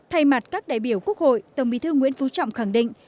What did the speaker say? thay mặt các đại biểu quốc hội tổng bí thư nguyễn phú trọng khẳng định